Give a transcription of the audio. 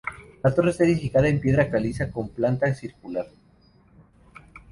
La torre está edificada en piedra caliza con planta circular.